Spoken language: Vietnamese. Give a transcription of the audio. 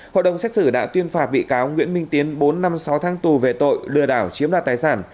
hội đồng xét xử đã tuyên phạt bị cáo nguyễn minh tiến bốn năm sáu tháng tù về tội lừa đảo chiếm đoạt tài sản